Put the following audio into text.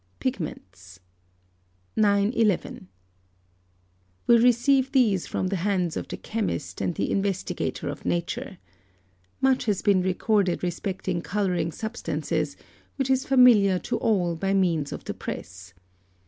PIGMENTS. 911. We receive these from the hands of the chemist and the investigator of nature. Much has been recorded respecting colouring substances, which is familiar to all by means of the press.